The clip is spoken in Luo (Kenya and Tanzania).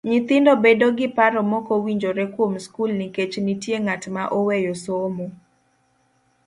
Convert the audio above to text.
Nyithindo bedo gi paro mokowinjore kuom skul nikech nitie ng'at ma oweyo somo.